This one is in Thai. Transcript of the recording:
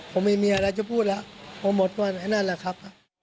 ผมไม่มีอะไรจะพูดแล้วผมหมดวันไอ้นั่นแหละครับ